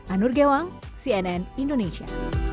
anur gewang cnn indonesia